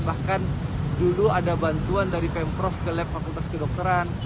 bahkan dulu ada bantuan dari pemprov ke lab fakultas kedokteran